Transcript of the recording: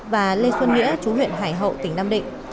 và lê xuân nghĩa chú huyện hải hậu tỉnh nam định